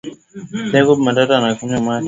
Jacob Matata akayumba kwa teke